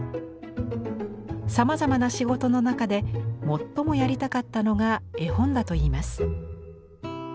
さまざまな仕事の中で最もやりたかったのが絵本だといいます。